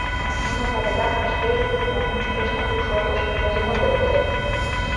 Нуно садыгак шке илыме мучкышт у шотыш возын огыт керт.